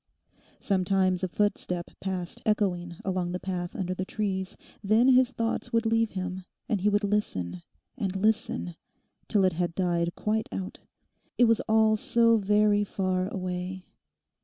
Sometimes a footstep passed echoing along the path under the trees, then his thoughts would leave him, and he would listen and listen till it had died quite out. It was all so very far away.